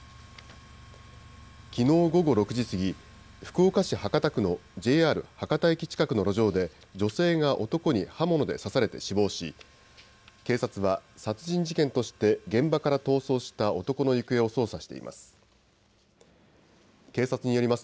きのう午後６時過ぎ、福岡市博多区のＪＲ博多駅近くの路上で女性が男に刃物で刺されて死亡し警察は殺人事件として現場から逃走した男の行方を捜査しています。